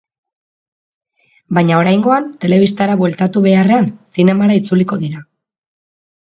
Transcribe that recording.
Baina oraingoan, telebistara bueltatu beharrean, zinemara itzuliko dira.